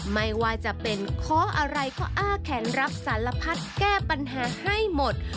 ไม่ว่าจะเป็นข้ออะไรข้ออ้าแขนรับสารพัดแก้ปัญหาให้หมด